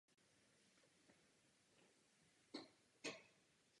Singh byl ale vážně nemocný.